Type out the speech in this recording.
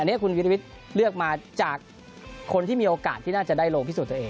อันนี้คุณวิรวิทย์เลือกมาจากคนที่มีโอกาสที่น่าจะได้ลงพิสูจนตัวเอง